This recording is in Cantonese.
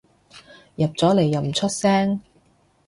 入咗嚟又唔出聲